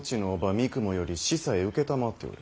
三雲より子細承っておる。